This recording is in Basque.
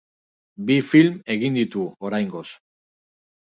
Bi film egin ditu, oraingoz.